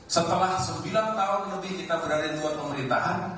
setelah sembilan tahun lebih kita berada di luar pemerintahan